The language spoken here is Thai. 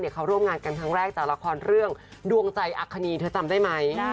เขาร่วมงานกันครั้งแรกจากละครเรื่องดวงใจอัคคณีเธอจำได้ไหม